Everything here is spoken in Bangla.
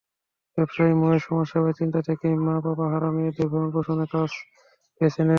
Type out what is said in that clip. ব্যবসায়ী মহেশ সমাজসেবার চিন্তা থেকেই মা-বাবা হারা মেয়েদের ভরণপোষণের কাজ বেছে নেন।